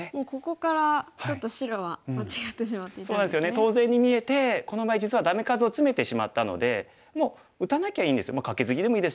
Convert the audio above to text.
当然に見えてこの場合実はダメ数をツメてしまったのでもう打たなきゃいいんです。